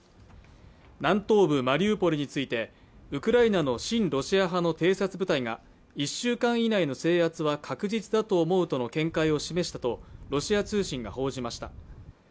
南東部マリウポリについてウクライナの親ロシア派の偵察部隊が１週間以内の制圧は確実だと思うとの見解を示したとロシア通信が報じました。